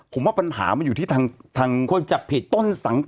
ผมว่าปัญหามันอยู่ที่ทางคนจับผิดต้นสังกัด